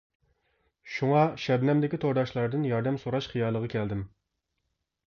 شۇڭا شەبنەمدىكى تورداشلاردىن ياردەم سوراش خىيالىغا كەلدىم.